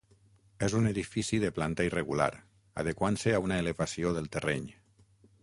És un edifici de planta irregular, adequant-se a una elevació del terreny.